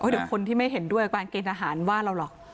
เดี๋ยวคนที่ไม่เห็นด้วยกับการเกณฑ์อาหารว่าเราหรอก